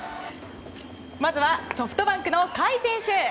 まずはソフトバンクの甲斐選手。